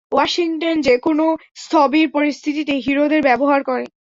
Washington যে কোনও স্থবির পরিস্থিতিতে হিরোদের ব্যবহার করে।